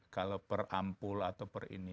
kalau per ampul atau per ini